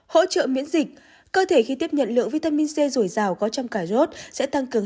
hỗ trợ miễn dịch cơ thể khi tiếp nhận lượng vitamin c rủi rào có trong cà rốt sẽ tăng cường